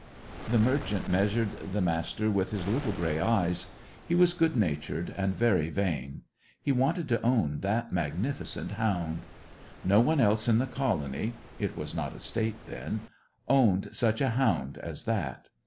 The merchant measured the Master with his little grey eyes. He was good natured and very vain. He wanted to own that magnificent hound. No one else in the colony (it was not a State then) owned such a hound as that.